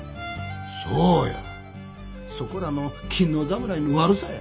そうやそこらの勤皇侍の悪さや。